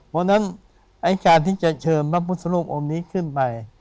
เพราะฉะนั้นไอ้การที่จะเชิญพระพุทธรูปองค์นี้ขึ้นไป